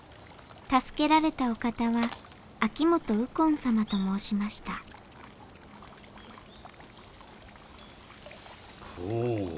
助けられたお方は秋元右近様と申しましたほう。